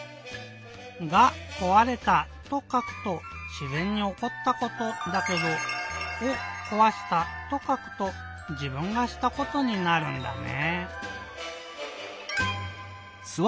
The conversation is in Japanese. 「がこわれた」とかくと「しぜんにおこったこと」だけど「をこわした」とかくと「じぶんがしたこと」になるんだね。